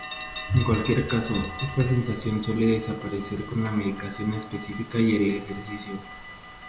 En cualquier caso, esta sensación suele desaparecer con la medicación específica y el ejercicio.